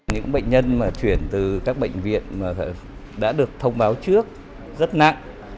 những bệnh nhân mà chuyển từ các bệnh viện mà đã được thông báo trước rất nặng